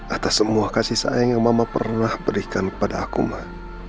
atas semua kasih sayang yang mama pernah berikan kepada akumah